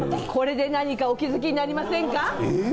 これで何かお気づきになりませんか？